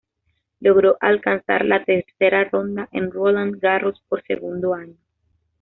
Logró alcanzar la tercera ronda en Roland Garros por segundo año.